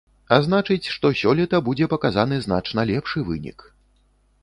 А значыць, што сёлета будзе паказаны значна лепшы вынік.